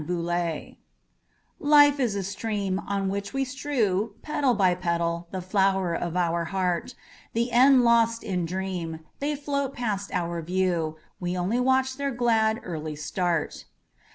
Petals Life is a stream On which we strew Petal by petal the flower of our heart; The end lost in dream, They float past our view, We only watch their glad, early start.